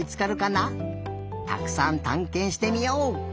たくさんたんけんしてみよう！